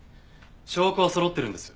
証拠はそろってるんです。